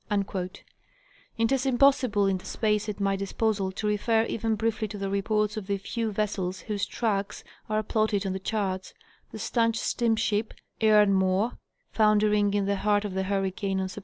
It is impossible, in the space at my disposal, to refer even briefly to the reports of the few vessels whose tracks are plotted on the charts: the stanch steamship '" EKarnmoor," foundering in the heart of the hurricane on Sept.